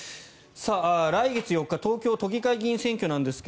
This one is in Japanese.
来月４日東京都議会議員選挙なんですが